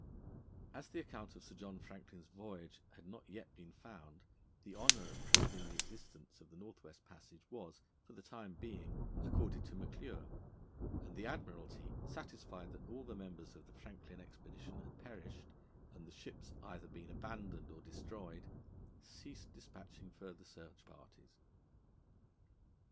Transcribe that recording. As the account of Sir John Franklin's voyage had not yet been found, the honour of proving the existence of the North West Passage was, for the time being, accorded to McClure, and the Admiralty, satisfied that all the members of the Franklin expedition had perished, and the ships either been abandoned or destroyed, ceased despatching further search parties.